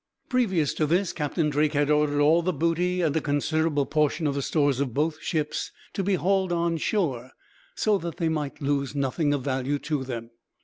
Previous to this Captain Drake had ordered all the booty, and a considerable portion of the stores of both ships, to be hauled on shore; so that they might lose nothing of value to them.